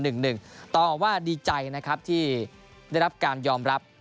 ต่อว่าดีใจนะครับที่ได้รับการยอมรับ